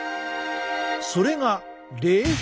それが冷風！